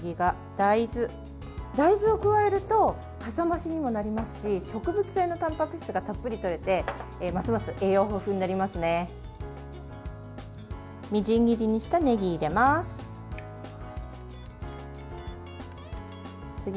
大豆を加えるとかさ増しにもなりますし植物性のたんぱく質がたっぷりとれてますます栄養豊富になりますね。